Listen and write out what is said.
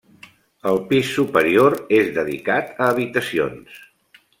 El pis superior és dedicat a habitacions.